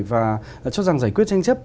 và chắc rằng giải quyết tranh chấp này